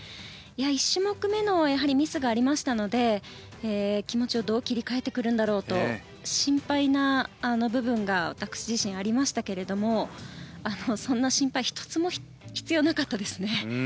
１種目目のミスがありましたので気持ちをどう切り替えてくるんだろうと心配な部分が私自身ありましたがそんな心配１つも必要なかったですね。